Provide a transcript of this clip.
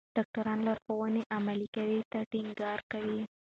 ډاکټران لارښوونې عملي کولو ته ټینګار کوي.